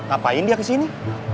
apaan dia ke sini